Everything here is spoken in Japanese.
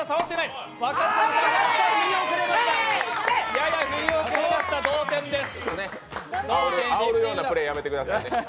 やや振り遅れました、同点です。